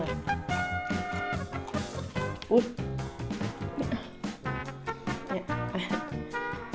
เนี่ย